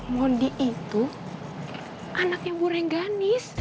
mondi itu anaknya bu reganis